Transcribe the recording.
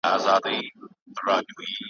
یوه ورځ به داسي راسي مدرسه به پوهنتون وي `